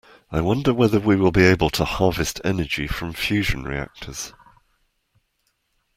I wonder whether we will be able to harvest energy from fusion reactors.